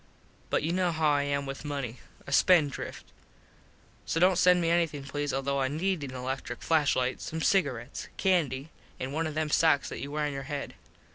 But you know how I am with money. A spend drift. So dont send me anything please although I need an electric flash light, some cigarets, candy an one of them sox that you wear on your head.